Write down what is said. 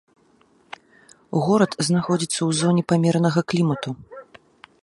Горад знаходзіцца ў зоне памеранага клімату.